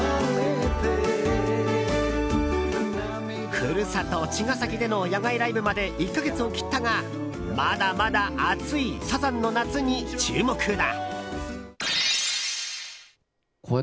故郷・茅ヶ崎での野外ライブまで１か月を切ったがまだまだ熱いサザンの夏に注目だ！